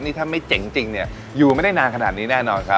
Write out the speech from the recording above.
นี่ถ้าไม่เจ๋งจริงเนี่ยอยู่ไม่ได้นานขนาดนี้แน่นอนครับ